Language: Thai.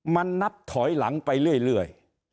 มันนับถอยหลังไปเรื่อย